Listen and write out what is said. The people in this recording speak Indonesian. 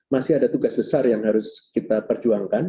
masih ada tugas besar yang harus kita perjuangkan